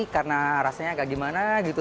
karena rasanya agak gimana gitu